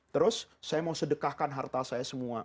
terus saya mau sedekahkan harta saya semua